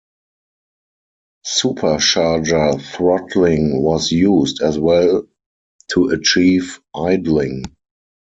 Supercharger throttling was used as well to achieve idling.